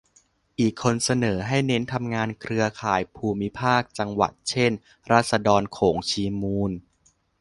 อีกคนเสนอให้เน้นทำงานเครือข่ายภูมิภาค-จังหวัด เช่น ราษฎรโขงชีมูล